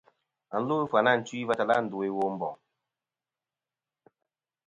Và lu a Ɨfyanatwi va tala ndu a Womboŋ.